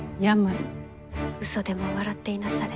嘘でも笑っていなされ。